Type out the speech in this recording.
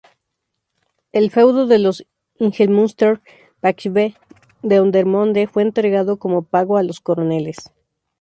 El feudo de Ingelmunster-Vijve-Dendermonde fue entregado como pago a los coroneles.